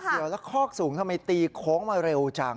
เดี๋ยวแล้วคอกสูงทำไมตีโค้งมาเร็วจัง